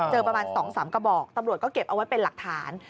ประมาณ๒๓กระบอกตำรวจก็เก็บเอาไว้เป็นหลักฐาน